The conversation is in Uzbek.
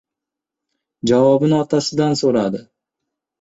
Javobini otasidan so‘radi: